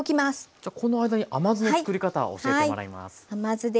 じゃこの間に甘酢の作り方を教えてもらいます。